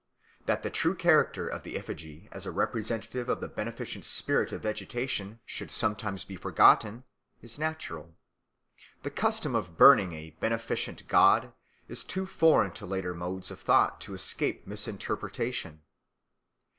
That the true character of the effigy as a representative of the beneficent spirit of vegetation should sometimes be forgotten, is natural. The custom of burning a beneficent god is too foreign to later modes of thought to escape misinterpretation.